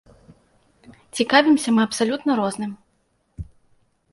Цікавімся мы абсалютна розным.